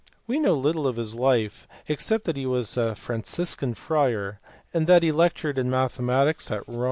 We know little of his life except that he was a Franciscan friar; that he lectured on mathematics at Rome, * See H.